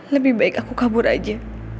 lebih baik aku kabur aja